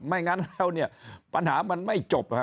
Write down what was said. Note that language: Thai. ไม่งั้นแล้วปัญหามันไม่จบครับ